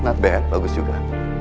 not bad bagus juga